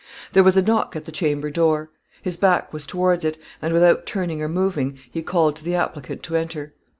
There was a knock at the chamber door. His back was towards it, and, without turning or moving, he called to the applicant to enter.